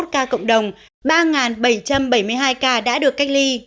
bảy mươi một ca cộng đồng ba bảy trăm bảy mươi hai ca đã được cách ly